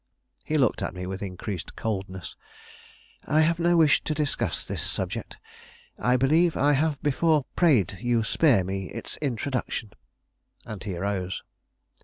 He looked at me with increased coldness. "I have no wish to discuss this subject. I believe I have before prayed you to spare me its introduction." And he arose.